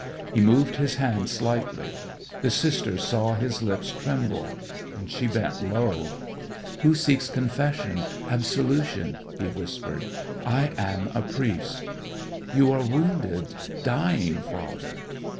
He moved his hand slightly. The sister saw his lips tremble. She bent low. "Who seeks confession, absolution?" he whispered. "I am a priest." "You are wounded, dying, father."